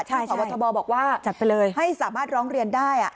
ใช่ใช่จัดไปเลยพอบทบบอกว่าให้สามารถร้องเรียนได้